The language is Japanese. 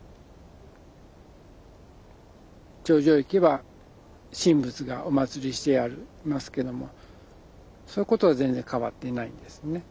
頂上へ行けば神仏がお祀りしてありますけどもそういうことは全然変わっていないんですね。